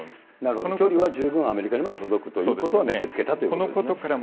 この距離は十分アメリカには届くということは見せつけたということですね。